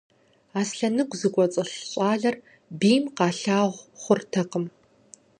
Аслъэныгу зыкӀуэцӀылъ щӀалэр бийм къалъагъу хъуртэкъым.